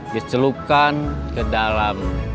dicelukan ke dalam